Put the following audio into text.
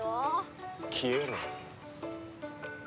消えろ。